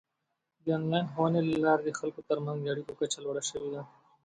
د آنلاین ښوونې له لارې د خلکو ترمنځ د اړیکو کچه لوړه شوې ده.